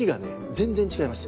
全然違います。